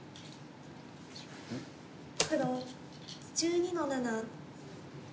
黒１２の七。